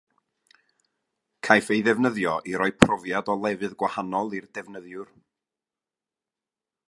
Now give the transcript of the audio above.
Caiff ei ddefnyddio i roi profiad o lefydd gwahanol i'r defnyddiwr.